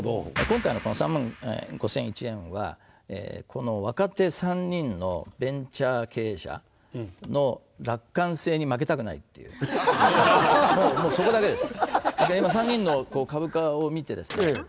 今回のこの３万５００１円はこの若手３人のベンチャー経営者の楽観性に負けたくないというもうそこだけです今３人の株価を見てですね